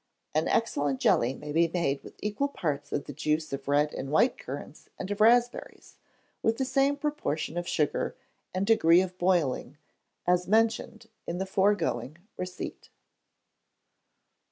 An excellent jelly may be made with equal parts of the juice of red and of white currants, and of raspberries, with the same proportion of sugar and degree of boiling as mentioned in the foregoing receipt.